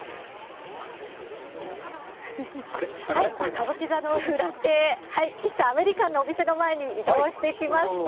歌舞伎座の裏手、喫茶アメリカンのお店の前に移動してきました。